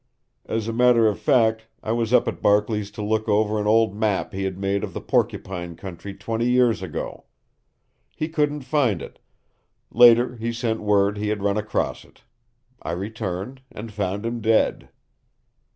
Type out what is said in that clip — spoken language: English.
"As a matter of fact, I was up at Barkley's to look over an old map he had made of the Porcupine country twenty years ago. He couldn't find it. Later he sent word he had run across it. I returned and found him dead."